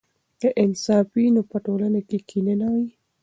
که انصاف وي نو په ټولنه کې کینه نه وي.